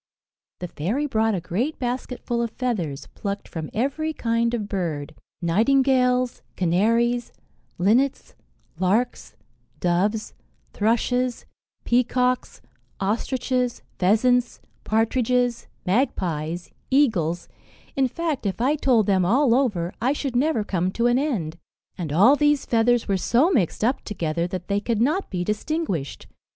The fairy brought a great basket full of feathers, plucked from every kind of bird nightingales, canaries, linnets, larks, doves, thrushes, peacocks, ostriches, pheasants, partridges, magpies, eagles in fact, if I told them all over, I should never come to an end; and all these feathers were so mixed up together, that they could not be distinguished.